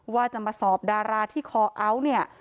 ว่าจะมาสอบดาราที่คอเอาท์เนี่ย